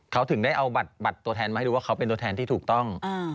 เขาถึงได้เอาบัตรตัวแทนมาให้ดูว่าเขาเป็นตัวแทนที่ถูกต้อง